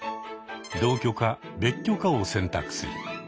同居か別居かを選択する。